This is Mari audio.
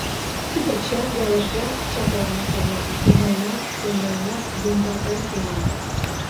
Кӱдырчан я лыжга чаклана саман — Кумылна, сомылна йоҥгата семан.